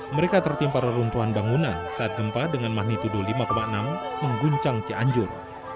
mereka tertimpa reruntuhan bangunan saat gempa dengan magnitudo lima enam mengguncang cianjur